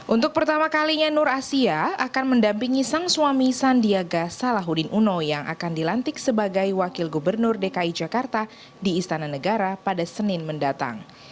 untuk pertama kalinya nur asia akan mendampingi sang suami sandiaga salahuddin uno yang akan dilantik sebagai wakil gubernur dki jakarta di istana negara pada senin mendatang